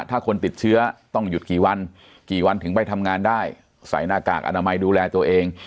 ถ้าคนติดเชื้อต้องหยุดกี่วันกี่วันถึงไปทำงานได้ใส่หน้ากากอนามัยดูแลตัวเอง